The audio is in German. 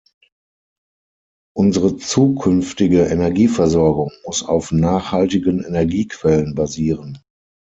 Unsere zukünftige Energieversorgung muss auf nachhaltigen Energiequellen basieren.